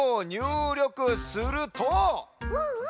うんうん。